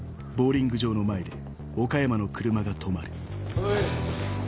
おい。